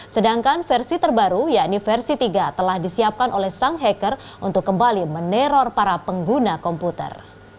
sedangkan versi terbaru yakni versi tiga telah disiapkan oleh sang hacker untuk kembali meneror para pengguna komputer